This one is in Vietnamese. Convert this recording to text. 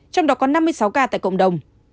trong đó có năm mươi sáu ca tại cộng đồng